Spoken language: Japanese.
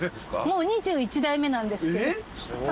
もう２１代目なんですけど。え？